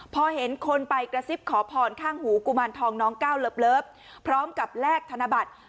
พอเห็นคนไปกระซิบขอพรข้างหูกุมารทองน้องก้าวเลิฟพร้อมกับแลกธนบัตร